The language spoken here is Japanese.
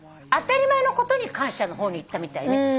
当たり前のことに感謝の方にいったみたいね。